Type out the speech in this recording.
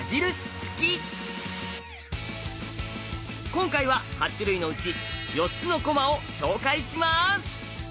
今回は８種類のうち４つの駒を紹介します。